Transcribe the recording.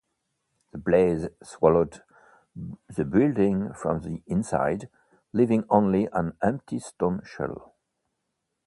The blaze swallowed the building from the inside, leaving only an empty stone shell.